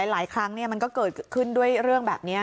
หลายครั้งมันก็เกิดขึ้นด้วยเรื่องแบบนี้